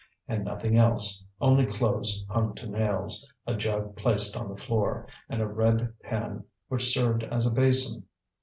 And nothing else, only clothes hung to nails, a jug placed on the floor, and a red pan which served as a basin.